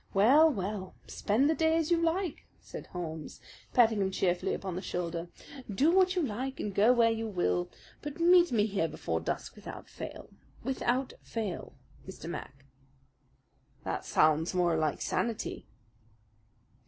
"Well, well, spend the day as you like," said Holmes, patting him cheerfully upon the shoulder. "Do what you like and go where you will, but meet me here before dusk without fail without fail, Mr. Mac." "That sounds more like sanity."